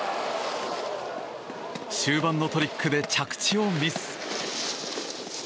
終盤のトリックで着地をミス。